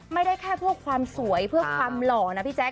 ไม่ได้แค่เพื่อความสวยเพื่อความหล่อนะพี่แจ๊